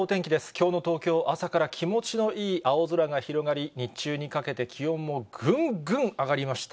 きょうの東京、朝から気持ちのいい青空が広がり、日中にかけて気温もぐんぐん上がりました。